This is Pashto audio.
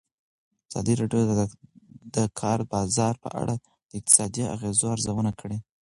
ازادي راډیو د د کار بازار په اړه د اقتصادي اغېزو ارزونه کړې.